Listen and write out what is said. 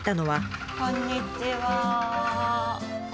こんにちは。